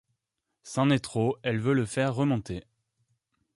C’en est trop, elle veut le faire remonter.